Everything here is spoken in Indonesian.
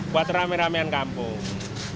buat rame ramean kampung